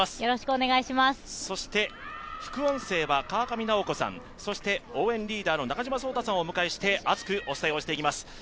そして副音声は川上直子さん、そして、応援リーダーの中島颯太さんをお迎えして熱くお伝えしていきます。